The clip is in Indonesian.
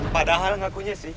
padahal ngakunya sih